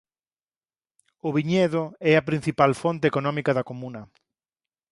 O viñedo é a principal fonte económica da comuna.